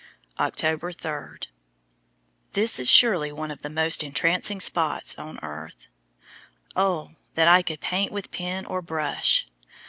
October 3. This is surely one of the most entrancing spots on earth. Oh, that I could paint with pen or brush!